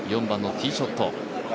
４番のティーショット。